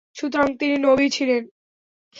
সুতরাং তিনি নবী ছিলেন।